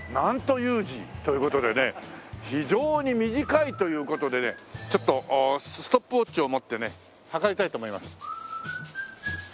非常に短いという事でねちょっとストップウォッチを持ってね計りたいと思います。